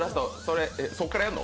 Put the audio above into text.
そこからやるの？